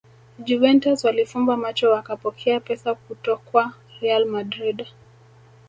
Juventus walifumba macho wakapokea pesa kutokwa real madrid